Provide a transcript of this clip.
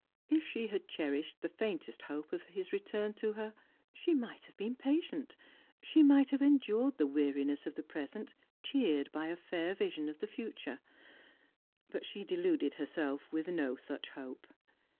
If she had cherished the faintest hope of his return to her, she might have been patient, she might have endured the weariness of the present, cheered by a fair vision of the future. Strangers and Pilgrims. " 247 But she deluded herself with no such hope.